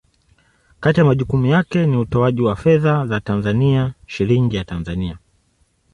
Kati ya majukumu yake ni utoaji wa fedha za Tanzania, Shilingi ya Tanzania.